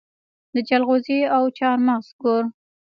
د جلغوزي او چارمغز کور.